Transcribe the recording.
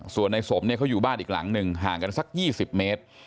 ส่วนในสมเนี่ยเขาอยู่บ้านอีกหลังหนึ่งห่างกันสัก๒๐เมตร